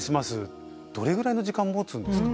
どれぐらいの時間もつんですか？